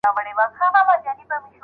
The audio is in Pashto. که استاد مشوره ورکړي نو ستونزي به حل سي.